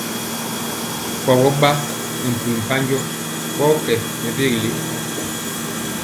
Kɔgɔ ɓa nɛ mpul mpanjɔ ɓɔɔ kyɛwɛ mɛvele.